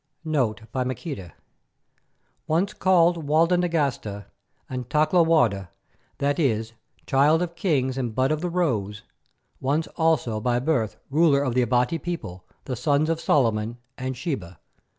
NOTE BY MAQUEDA Once called Walda Nagasta and Takla Warda, that is, Child of Kings and Bud of the Rose, once also by birth Ruler of the Abati people, the Sons of Solomon and Sheba.